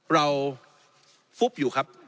เราฟุ๊บอยู่ครับ